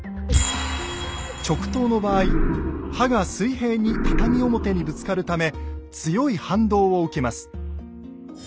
直刀の場合刃が水平に畳表にぶつかるため強い反動を受けます。